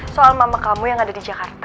soal mama kamu yang ada di jakarta